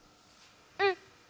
うん！